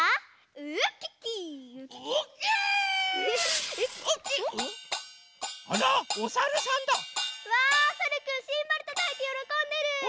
うわさるくんシンバルたたいてよろこんでる！